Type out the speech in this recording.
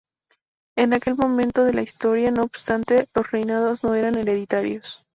En aquel momento de la historia, no obstante, los reinados no eran hereditarios.